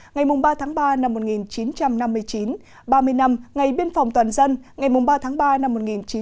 ngày ba tháng ba năm một nghìn chín trăm năm mươi chín ba mươi năm ngày biên phòng toàn dân ngày ba tháng ba năm một nghìn chín trăm bảy mươi